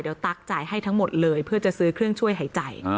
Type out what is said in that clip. เดี๋ยวตั๊กจ่ายให้ทั้งหมดเลยเพื่อจะซื้อเครื่องช่วยหายใจ